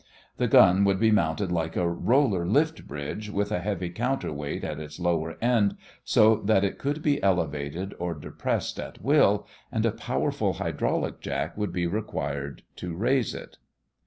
The gun would be mounted like a roller lift bridge with a heavy counter weight at its lower end so that it could be elevated or depressed at will and a powerful hydraulic jack would be required to raise it.